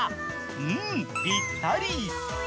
うーん、ぴったり。